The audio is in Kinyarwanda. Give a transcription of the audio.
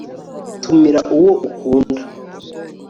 tumira uwo ukunda